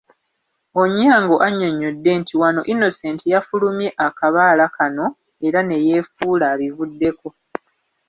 Onyango annyonnyodde nti wano Innocent yafulumye akabaala kano era ne yeefuula abivuddeko.